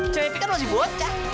cerepi kan masih bocah